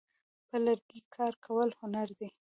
په لرګي کار کول هنر دی.